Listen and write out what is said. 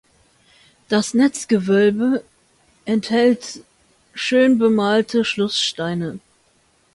Das Netzgewölbe enthält schön bemalte Schlusssteine.